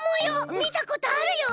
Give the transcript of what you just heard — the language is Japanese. みたことあるよ！